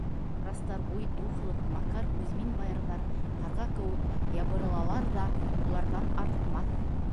Расторгуй, Духлов, Макар, Кузьмин баярҙар ҡарға кеүек ябырылалар ҙа, уларҙан артмаҫ.